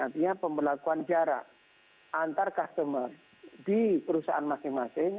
artinya pemberlakuan jarak antar customer di perusahaan masing masing